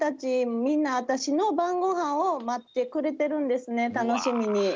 みんなわたしのばんごはんをまってくれてるんですねたのしみに。